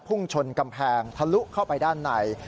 พุ่งชนกำแพงทะลุเข้าไปด้านใน